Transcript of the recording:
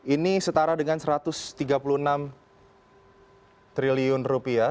ini setara dengan satu ratus tiga puluh enam triliun rupiah